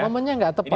momennya nggak tepat